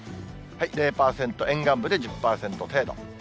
０％、沿岸部で１０％程度。